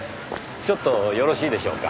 ちょっとよろしいでしょうか？